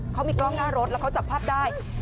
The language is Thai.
เขามีกล้องหน้ารถแล้วเขาจับภาพได้